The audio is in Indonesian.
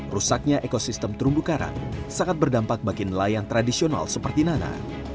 rusaknya ekosistem terumbu karang sangat berdampak bagi nelayan tradisional seperti nana